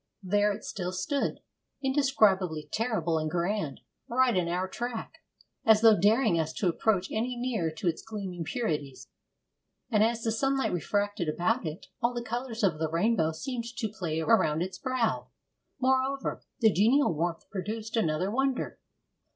There it still stood, indescribably terrible and grand, right in our track, as though daring us to approach any nearer to its gleaming purities. And as the sunlight refracted about it, all the colours of the rainbow seemed to play around its brow. Moreover, the genial warmth produced another wonder.